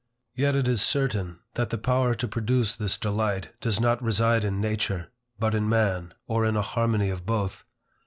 Yet it is certain that the power to produce this delight, does not reside in nature, but in man, or in a harmony of both.